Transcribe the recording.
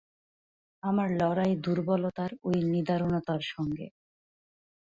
আমার লড়াই দুর্বলতার ঐ নিদারুণতার সঙ্গে।